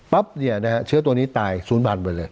ปั๊บเนี่ยนะฮะเชื้อตัวนี้ตายศูนย์พันธุ์ไปเลย